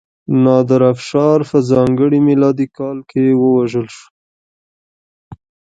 نادرافشار په ځانګړي میلادي کال کې ووژل شو.